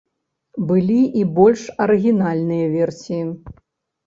Былі і больш арыгінальныя версіі.